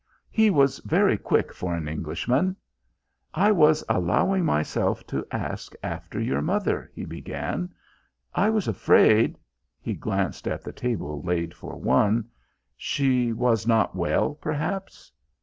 He was very quick for an Englishman. "I was allowing myself to ask after your mother," he began. "I was afraid" he glanced at the table laid for one "she was not well, perhaps?"